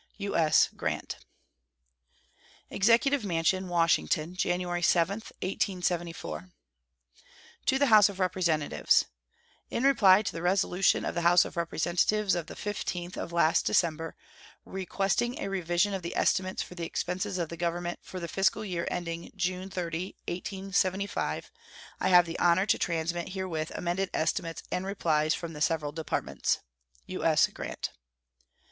U.S. GRANT. EXECUTIVE MANSION, Washington, January 7, 1874. To the House of Representatives: In reply to the resolution of the House of Representatives of the 15th of last December, requesting a revision of the estimates for the expenses of the Government for the fiscal year ending June 30, 1875, I have the honor to transmit herewith amended estimates and replies from the several Departments. U.S. GRANT.